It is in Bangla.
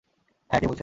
হ্যাঁ, কে বলছেন?